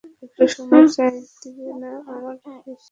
একটু সময় চাই দিবে না আমায় বিশ্বাস করো না?